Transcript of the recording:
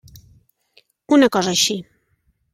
Una cosa així.